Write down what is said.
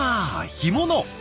干物。